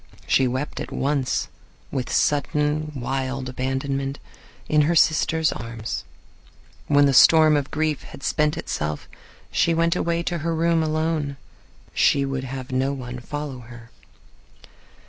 She wept at once, with sudden, wild abandonment, in her sister's arms. When the storm of grief had spent itself she went away to her room alone. She would have no one follow her.